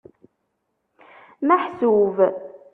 Meḥsub.